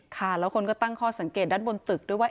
ค่ะแล้วคนก็ตั้งข้อสังเกตด้านบนตึกด้วยว่า